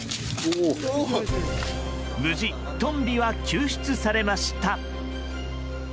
無事、トンビは救出されました。